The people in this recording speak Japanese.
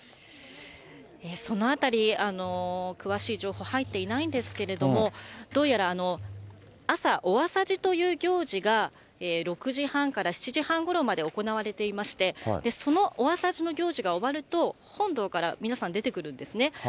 そのあたり、詳しい情報、入っていないんですけれども、どうやら、朝、お朝事という行事が６時半から７時半ごろまで行われていまして、そのお朝事の行事が終わると、本堂から皆さん出てくるんですね。